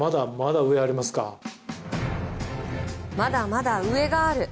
まだまだ上がある。